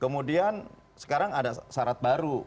kemudian sekarang ada syarat baru